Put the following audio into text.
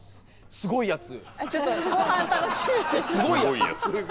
すごいやつ。